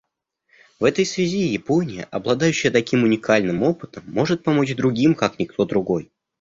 В этой связи Япония, обладающая таким уникальным опытом, может помочь другим как никто другой.